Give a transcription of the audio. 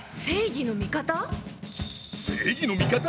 正義の味方？